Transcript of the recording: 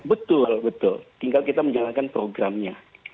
betul betul tinggal kita menjalankan programnya